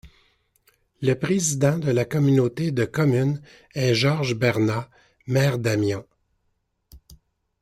Le président de la communauté de communes est Georges Bernat, maire d'Amions.